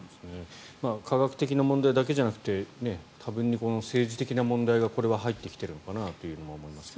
科学的な問題だけじゃなくて多分に政治的な問題がこれは入ってきているのかなとも思いますが。